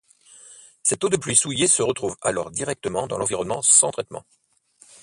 Cette eau de pluie souillée se retrouve alors directement dans l’environnement sans traitement.